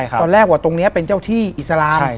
ตอนแรกว่าตรงนี้เป็นเจ้าที่อิสลาม